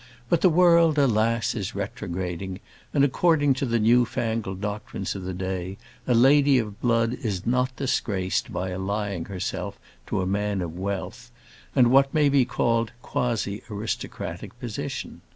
But the world, alas! is retrograding; and, according to the new fangled doctrines of the day, a lady of blood is not disgraced by allying herself to a man of wealth, and what may be called quasi aristocratic position.